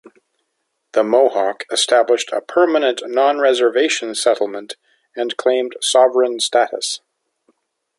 The Mohawk established a "permanent nonreservation settlement" and claimed sovereign status.